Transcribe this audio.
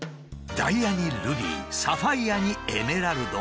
ダイヤにルビーサファイアにエメラルド。